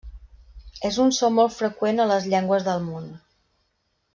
És un so molt freqüent a les llengües del món.